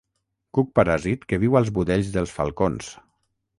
Cuc paràsit que viu als budells dels falcons.